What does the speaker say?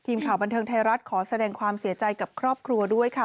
ทีมข่าวบันเทิงไทยรัฐขอแสดงความเสียใจกับครอบครัวด้วยค่ะ